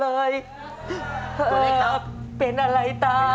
พีมเป็นอะไรตายครับ